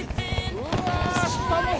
うわ！